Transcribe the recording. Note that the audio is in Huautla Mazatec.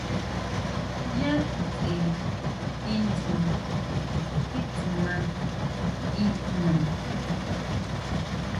¿ʼYá tseʼe tindsu titsuma ngui jno?